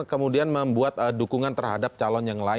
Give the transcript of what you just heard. kemudian membuat dukungan terhadap calon yang lain